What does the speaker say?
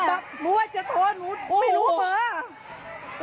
แบบรู้ว่าจะโทนรู้ไม่รู้ว่าเผลอ